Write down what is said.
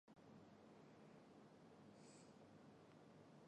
时变质量矩与古典力学的角动量一起形成一个二阶反对称张量。